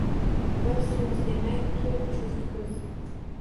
Bir so’z demay to’rt juft ko’z.